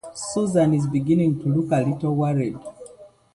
Susan is beginning to look a little worried.